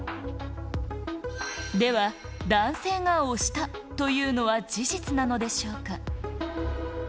では、男性が押したというのは事実なのでしょうか。